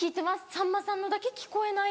さんまさんのだけ聞こえない。